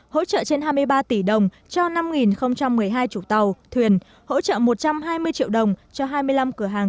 hỗ trợ trên hai mươi ba tỷ đồng cho năm một mươi hai chủ tàu thuyền hỗ trợ một trăm hai mươi triệu đồng cho hai mươi năm cửa hàng